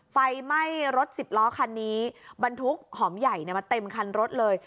ไฟไหม้รถสิบล้อคันนี้บรรทุกหอมใหญ่มาเต็มคันรถเลย